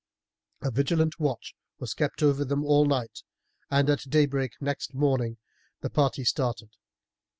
A vigilant watch was kept over them all night, and at daybreak next morning the party started.